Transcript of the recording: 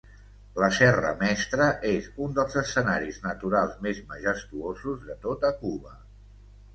La Serra Mestra és un dels escenaris naturals més majestuosos de tota Cuba.